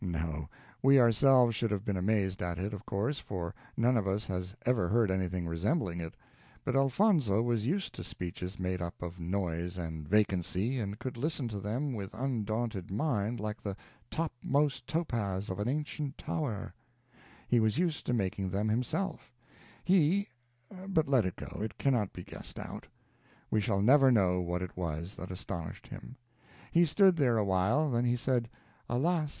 No; we ourselves should have been amazed at it, of course, for none of us has ever heard anything resembling it; but Elfonzo was used to speeches made up of noise and vacancy, and could listen to them with undaunted mind like the "topmost topaz of an ancient tower"; he was used to making them himself; he but let it go, it cannot be guessed out; we shall never know what it was that astonished him. He stood there awhile; then he said, "Alas!